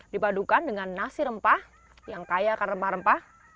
dipadukan dengan nasi rempah yang kaya akan rempah rempah